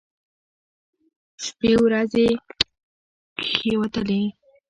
شپې ورځې کښېوتلې.